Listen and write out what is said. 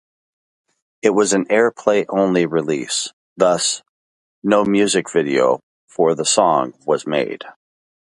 It was an airplay-only release, thus no music video for the song was made.